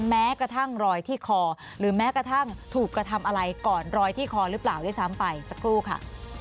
แม้กระทั่งรอยที่คอหรือแม้กระทั่งถูกกระทำอะไรก่อนรอยที่คอหรือเปล่าด้วยซ้ำไปสักครู่ค่ะ